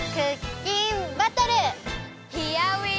ヒアウィーゴー！